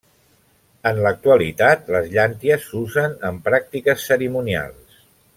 En l'actualitat les llànties s'usen en pràctiques cerimonials.